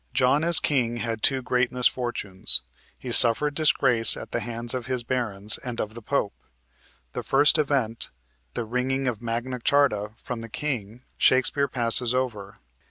John as king had two great misfortunes he suffered disgrace at the hands of his barons and of the pope. The first event, the wringing of Magna Charta from the king, Shakespeare passes over.